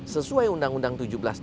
sesuai undang undang tujuh belas dua ribu